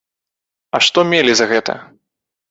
А што мелі за гэта?